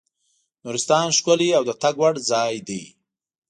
نورستان ښکلی او د تګ وړ ځای دی.